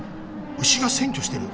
牛が占拠してる。